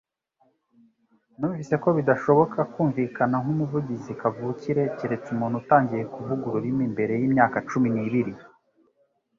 Numvise ko bidashoboka kumvikana nkumuvugizi kavukire keretse umuntu atangiye kuvuga ururimi mbere yimyaka cumi n'ibiri